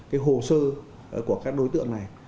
cái hồ sơ của các đối tượng này